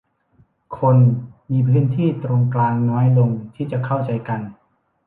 คนมีพื้นที่ตรงกลางน้อยลงที่จะเข้าใจกัน